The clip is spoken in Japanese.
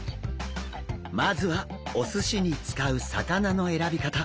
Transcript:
まずはお寿司に使う魚の選び方。